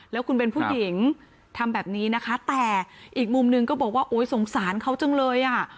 แล้วคุณเป็นผู้หญิงทำแบบนี้นะคะแต่อีกมุมหนึ่งก็บอกว่าโอ๊ยสงสารเขาจังเลยอ่ะ